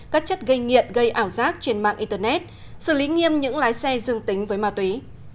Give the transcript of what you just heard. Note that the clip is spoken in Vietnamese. các chất gây nghiện gây ảo giác trên mạng internet xử lý nghiêm những lái xe dương tính với ma túy